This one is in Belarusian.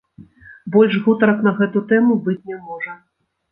Больш гутарак на гэту тэму быць не можа!